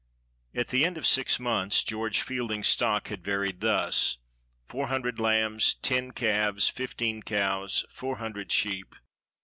AT the end of six months George Fielding's stock had varied thus. Four hundred lambs, ten calves, fifteen cows, four hundred sheep.